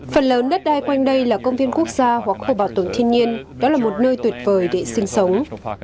phần lớn đất đai quanh đây là công viên quốc gia hoặc khu bảo tồn thiên nhiên đó là một nơi tuyệt vời để sinh sống